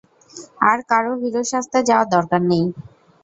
আর কারো হিরো সাজতে যাওয়ার দরকার নেই।